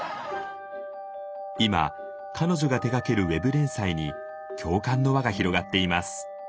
今彼女が手がけるウェブ連載に共感の輪が広がっています。